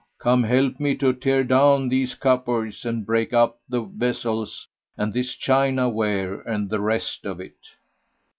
come help me to tear down these cupboards and break up these vessels and this china ware,[FN#96] and the rest of it."